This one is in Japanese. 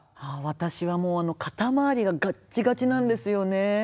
私はもう肩周りがガッチガチなんですよね。